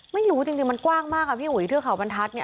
ไม่รู้จริงมันกว้างมากอ่ะที่เทือข่าวบรรทัศน์